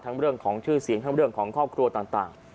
เรื่องของชื่อเสียงทั้งเรื่องของครอบครัวต่าง